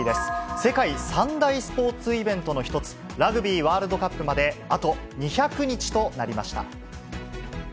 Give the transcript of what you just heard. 世界三大スポーツイベントの一つ、ラグビーワールドカップまであと２００日となりました。